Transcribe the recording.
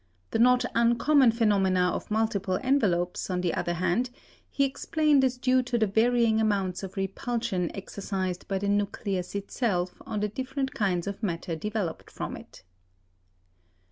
The not uncommon phenomena of multiple envelopes, on the other hand, he explained as due to the varying amounts of repulsion exercised by the nucleus itself on the different kinds of matter developed from it.